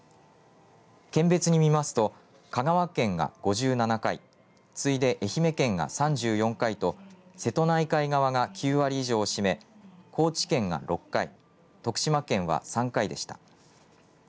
県別に見ますと香川県が５７回、次いで愛媛県が３４回と瀬戸内海側が９割以上を占め高知県が６回、徳島県は３回でした。